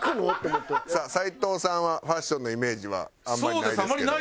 さあ斉藤さんはファッションのイメージはあんまりないですけど。